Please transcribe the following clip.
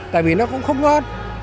tại vì nó cũng không ngon